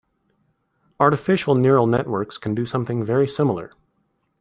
Artificial neural networks can do something very similar.